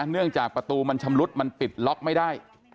เนื่องจากประตูมันชำรุดมันปิดล็อกไม่ได้